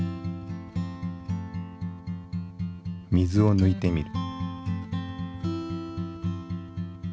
水を抜いてみる。